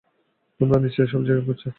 তোমরা নিশ্চিত সব জায়গায় খুঁজেছ?